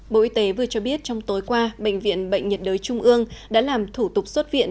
bộ y tế vừa cho biết trong tối qua bệnh viện bệnh nhiệt đới trung ương đã làm thủ tục xuất viện